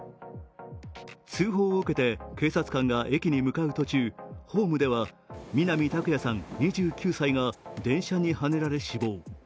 通報を受けて、警察官が駅に向かう途中、ホームでは南拓哉さん２９歳が電車にはねられ死亡。